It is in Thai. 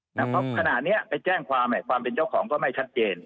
เพราะขณะนี้ไปแจ้งความความเป็นเจ้าของก็ไม่ชัดเจน